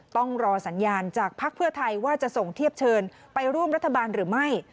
ต้องรอสัญญาณจากภักดิ์เพื่อไทยว่าจะส่งเทียบเชิญไปร่วมรัฐบาลหรือไม่